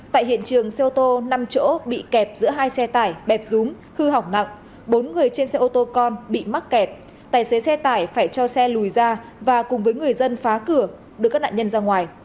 tại hiện trường xe ô tô năm chỗ bị kẹp giữa hai xe tải bẹp rúm hư hỏng nặng bốn người trên xe ô tô con bị mắc kẹt tài xế xe tải phải cho xe lùi ra và cùng với người dân phá cửa đưa các nạn nhân ra ngoài